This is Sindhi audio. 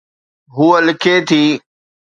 هوءَ لکي ٿي